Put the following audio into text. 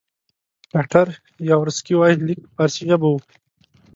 ډاکټر یاورسکي وایي لیک په فارسي ژبه وو.